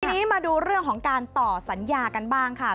ทีนี้มาดูเรื่องของการต่อสัญญากันบ้างค่ะ